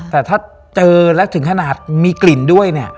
แต่ถ้าเจอแล้วถึงขนาดมีกลิ่นด้วยเนี่ย